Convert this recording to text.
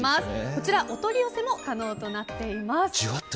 こちら、お取り寄せも可能となっています。